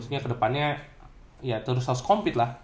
maksudnya ke depannya ya terus harus compete lah